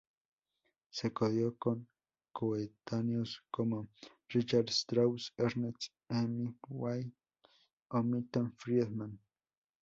Se codeó con coetáneos como Richard Strauss, Ernest Hemingway o Milton Friedman.